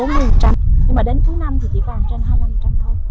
nhưng mà đến cuối năm thì chỉ còn trên hai mươi năm thôi